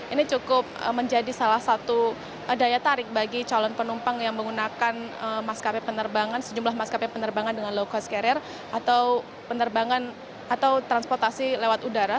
ini cukup menjadi salah satu daya tarik bagi calon penumpang yang menggunakan maskapai penerbangan sejumlah maskapai penerbangan dengan low cost carrier atau penerbangan atau transportasi lewat udara